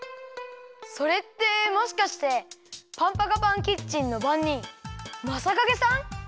それってもしかしてパンパカパンキッチンのばんにんマサカゲさん？